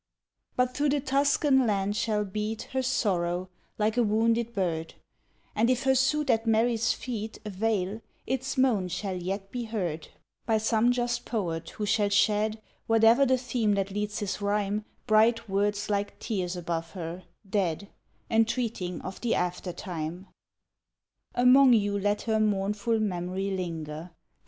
But through the Tuscan land shall beat Her Sorrow, like a wounded bird; And if her suit at Mary's feet Avail, its moan shall yet be heard By some just poet, who shall shed, Whate'er the theme that leads his rhyme Bright words like tears above her, dead, Entreating of the after time: "Among you let her mournful memory linger!